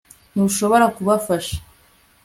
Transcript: ntushobora kubafasha